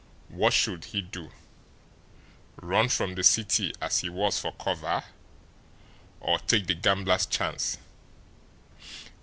What should he do? Run from the city as he was for cover or take the gambler's chance?